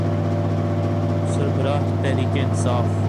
سربراہ تحریک انصاف۔